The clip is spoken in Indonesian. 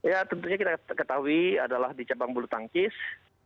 ya tentunya kita ketahui adalah di cabang bulu tangkis